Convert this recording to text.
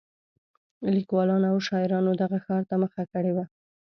لیکوالانو او شاعرانو دغه ښار ته مخه کړې وه.